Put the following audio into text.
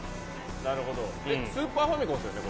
スーパーファミコンですよね